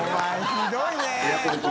ひどいね。